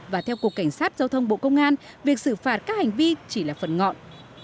và theo cục cảnh sát giao thông bộ công an việc xử phạt các hành vi chỉ là phần ngọn